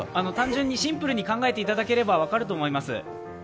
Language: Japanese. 単純にシンプルに考えていただければ分かると思います。